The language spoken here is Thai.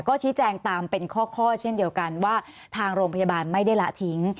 ก็ชี้แจงตามเป็นข้อเช่นเดียวกันว่าทางโรงพยาบาลไม่ได้ละทิ้ง